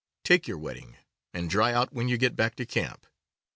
Take your wetting, and dry out when you get back to camp.